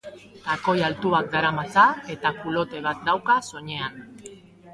Takoi altuak daramatza eta coulotte bat dauka soinean.